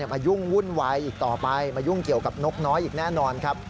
ยุ่งวุ่นวายอีกต่อไปมายุ่งเกี่ยวกับนกน้อยอีกแน่นอนครับ